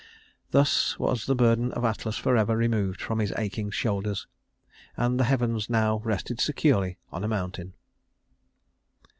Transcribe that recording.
Thus was the burden of Atlas forever removed from his aching shoulders, and the heavens now rested securely on a mountain.